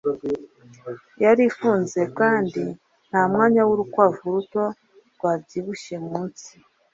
yari ifunze, kandi nta mwanya w’urukwavu ruto rwabyibushye munsi.